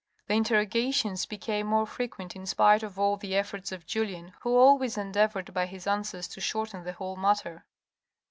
The interrogations became more frequent in spite of all the efforts of Julien, who always endeavoured by his answers to shorten the whole matter.